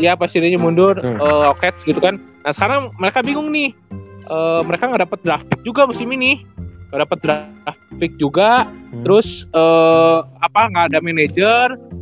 iya presidennya mundur di rockets gitu kan nah sekarang mereka bingung nih mereka gak dapet draft pick juga musim ini gak dapet draft pick juga terus gak ada manager